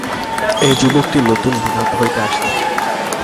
এই যুবকটি নূতন বিলাত হইতে আসিয়াছে।